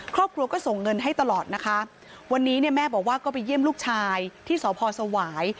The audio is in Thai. ครอบครัวก็ส่งเงินให้ตลอดนะคะวันนี้เนี่ยแม่บอกว่าก็ไปเยี่ยมลูกชายที่สพสวาย